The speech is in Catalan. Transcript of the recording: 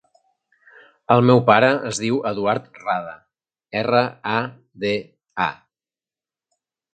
El meu pare es diu Eduard Rada: erra, a, de, a.